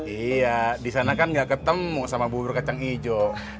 iya disana kan gak ketemu sama bubur kacang ijo